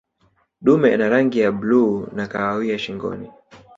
dume ana rangi ya bluu na kahawia shingoni